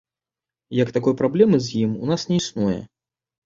Як такой праблемы з ім у нас не існуе.